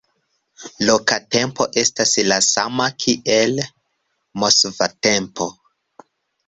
Loka tempo estas la sama kiel moskva tempo.